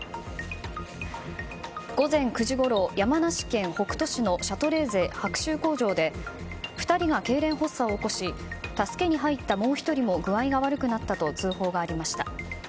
午前９時ごろ、山梨県北杜市のシャトレーゼ白州工場で２人がけいれん発作を起こし助けに入ったもう１人も具合が悪くなったと通報がありました。